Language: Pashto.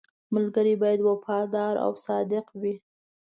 • ملګری باید وفادار او صادق وي.